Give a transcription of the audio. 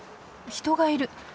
人がいる。